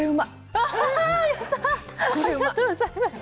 ありがとうございます。